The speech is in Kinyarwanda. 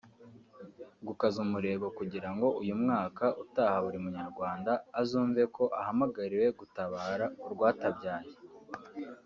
gukaza umurego kugira ngo uyu mwaka utaha buri munyarwanda azumve ko ahamagariwe gutabara urwatabyaye